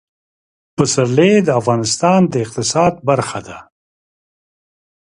پسرلی د افغانستان د اقتصاد برخه ده.